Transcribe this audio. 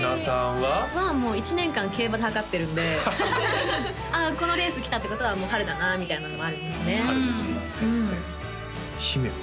私はもう１年間競馬ではかってるんでああこのレース来たってことはもう春だなみたいなのもあるんですね春のＧⅠ戦線姫は？